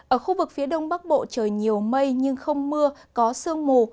ở khu vực phía đông bắc bộ trời nhiều mây nhưng không mưa có sương mù